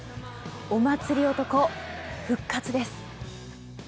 お祭り男復活です！